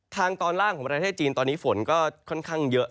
ทางตอนล่างของประเทศจีนตอนนี้ฝนก็ค่อนข้างเยอะ